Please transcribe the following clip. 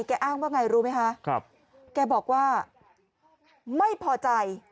อ้างว่าไงรู้ไหมคะครับแกบอกว่าไม่พอใจ